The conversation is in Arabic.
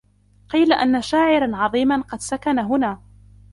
قيل أن شاعرا عظيما قد سكن هنا.